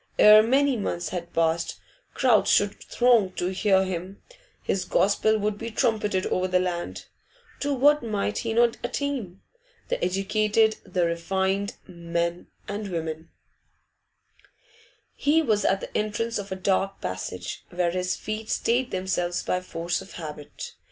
Ere many months had passed, crowds should throng to hear him; his gospel would be trumpeted over the land. To what might he not attain? The educated, the refined, men and women He was at the entrance of a dark passage, where his feet stayed themselves by force of habit.